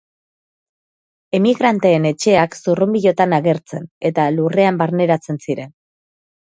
Emigranteen etxeak zurrunbilotan agertzen, eta lurrean barneratzen ziren.